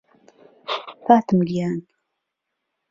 فاتم گیان